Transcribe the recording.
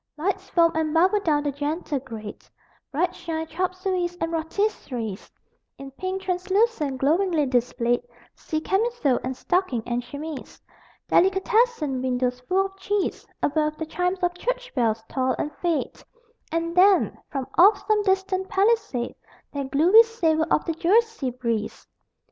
Lights foam and bubble down the gentle grade: Bright shine chop sueys and rôtisseries; In pink translucence glowingly displayed See camisole and stocking and chemise. Delicatessen windows full of cheese Above, the chimes of church bells toll and fade And then, from off some distant Palisade That gluey savor on the Jersey breeze!